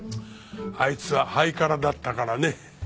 あいつはハイカラだったからね。